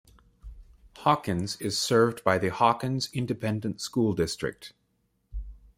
Hawkins is served by the Hawkins Independent School District.